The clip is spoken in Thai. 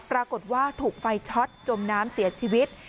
ปรากฏว่าถูกไฟช็อตจมน้ำเสียชีวิต